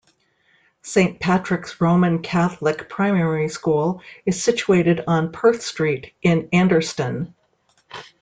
Saint Patrick's Roman Catholic Primary School is situated on Perth Street in Anderston.